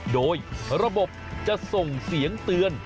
โดยระบบจะส่งเสียงเตือน